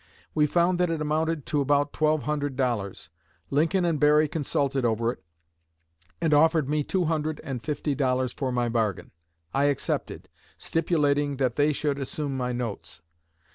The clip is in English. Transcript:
We found that it amounted to about twelve hundred dollars. Lincoln and Berry consulted over it, and offered me two hundred and fifty dollars for my bargain. I accepted, stipulating that they should assume my notes.